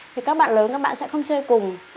thì các bạn lớn các bạn sẽ không chơi cùng